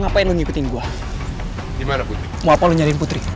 putri putri putri